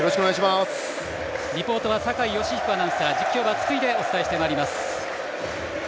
リポートは酒井良彦アナウンサー実況は筒井でお伝えしてまいります。